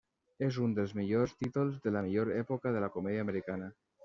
És un dels millors títols de la millor època de la comèdia americana.